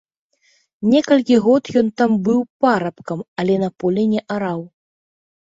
Некалькі год ён там быў парабкам, але на полі не араў.